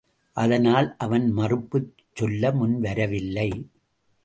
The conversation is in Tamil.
அதனால் அவன் மறுப்புச் சொல்ல முன் வரவில்லை.